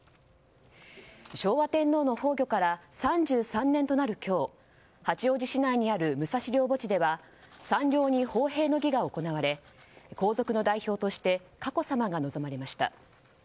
昭和天皇の崩御から３３年となる今日八王子市内にある武蔵陵墓地では山陵に奉幣の儀が行われ皇族の代表として佳子さまが臨まれました。